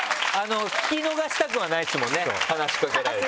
聞き逃したくはないですもんね話しかけられて。